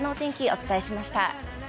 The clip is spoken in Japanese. お伝えしました。